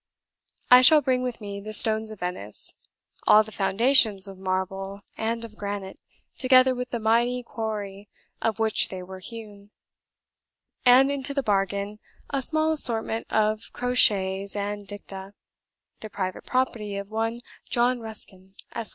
"I shall bring with me 'The Stones of Venice'; all the foundations of marble and of granite, together with the mighty quarry out of which they were hewn; and, into the bargain, a small assortment of crotchets and dicta the private property of one John Ruskin, Esq."